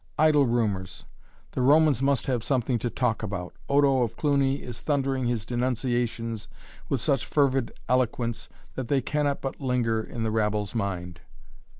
"Idle rumors. The Romans must have something to talk about. Odo of Cluny is thundering his denunciations with such fervid eloquence that they cannot but linger in the rabble's mind."